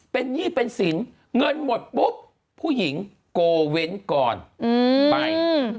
เป็นหนี้เป็นสินเงินหมดปุ๊บผู้หญิงโกเว้นก่อนไป